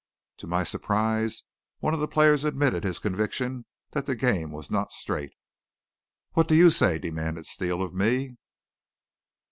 To my surprise, one of the players admitted his conviction that the game was not straight. "What do you say?" demanded Steele of me.